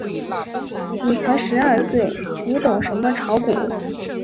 你才十二岁，你懂什么炒股？